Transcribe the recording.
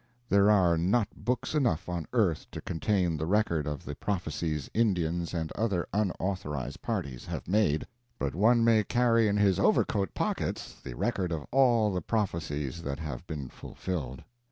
There are not books enough on earth to contain the record of the prophecies Indians and other unauthorized parties have made; but one may carry in his overcoat pockets the record of all the prophecies that have been fulfilled.